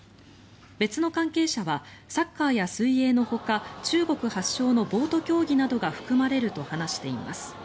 別の関係者はサッカーや水泳のほか中国発祥のボート競技などが含まれると話しています。